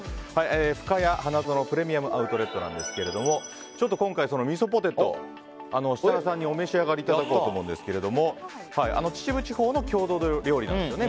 ふかや花園プレミアム・アウトレットなんですがちょっと今回そのみそポテトを設楽さんにお召し上がりいただこうと思うんですが秩父地方の郷土料理なんですよね